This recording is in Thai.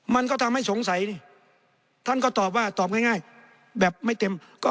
มันก็ทำให้สงสัยนี่ท่านก็ตอบว่าตอบง่ายแบบไม่เต็มก็